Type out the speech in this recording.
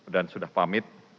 dan sudah pamit